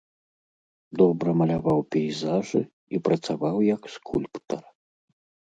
Добра маляваў пейзажы і працаваў як скульптар.